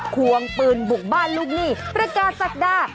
ควงปืนบุกบ้านลูกหนี้ประกาศศักดา